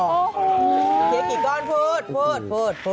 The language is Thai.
เคกกี่ก้อนพูด